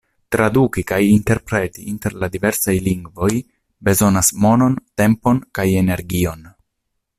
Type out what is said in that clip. Traduki kaj interpreti inter la diversaj lingvoj bezonas monon, tempon kaj energion.